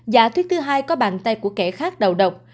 giả thuyết thứ hai có bàn tay của kẻ khác đầu độc